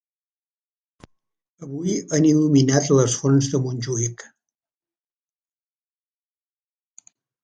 Avui han il·luminat les fonts de Montjuïc.